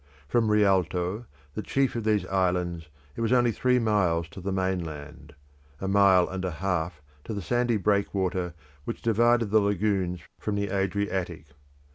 From Rialto, the chief of these islands, it was three miles to the mainland; a mile and a half to the sandy breakwater which divided the lagoons from the Adriatic.